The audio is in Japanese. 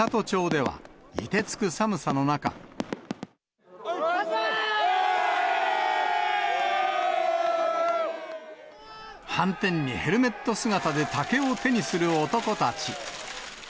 はんてんにヘルメット姿で竹を手にする男たち。